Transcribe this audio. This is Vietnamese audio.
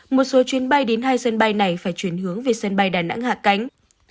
một số chuyến bay đến hai sân bay này phải chuyển hướng về sân bay đà nẵng hạ cánh